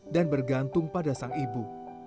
dan bergantung pada sang ibu